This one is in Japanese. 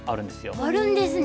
あるんですね。